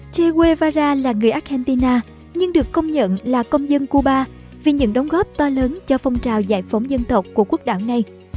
ché guevara là người argentina nhưng được công nhận là công dân cuba vì những đóng góp to lớn cho phong trào giải phóng dân tộc của quốc đảng này